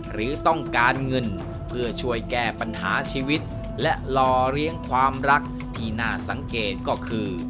หรือต้องการเงินเพื่อช่วยแก้ปัญหาชีวิตและรอเลี้ยงความรักที่น่าสังเกตก็คือ